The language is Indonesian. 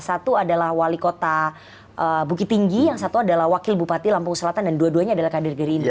satu adalah wali kota bukit tinggi yang satu adalah wakil bupati lampung selatan dan dua duanya adalah kader gerindra